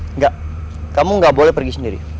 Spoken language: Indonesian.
enggak kamu nggak boleh pergi sendiri